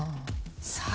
「さあ」